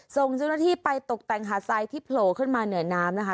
ส่งเจ้าหน้าที่ไปตกแต่งหาดทรายที่โผล่ขึ้นมาเหนือน้ำนะคะ